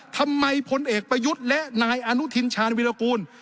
พลเอกประยุทธ์และนายอนุทินชาญวิรากูล